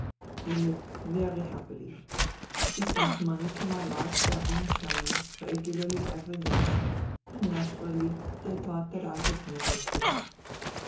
We lived very happily. He sent money to my large family in Germany, regularly every month, and naturally they thought that I was married to him.